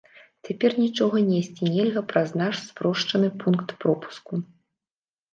Цяпер нічога несці нельга праз наш спрошчаны пункт пропуску.